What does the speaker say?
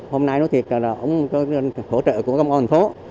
hôm nay nói thiệt là cũng có hỗ trợ của công an phố